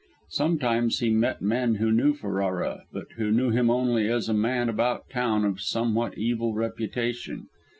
Sometimes he met men who knew Ferrara, but who knew him only as a man about town of somewhat evil reputation.